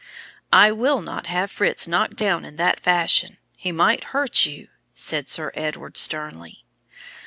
"I will not have Fritz knocked down in that fashion. He might hurt you," said Sir Edward, sternly.